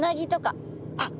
あっ